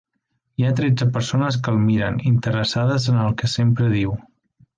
Hi ha tretze persones que el miren, interessades en el que sempre diu.